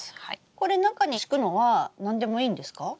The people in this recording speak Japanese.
これ中に敷くのは何でもいいんですか？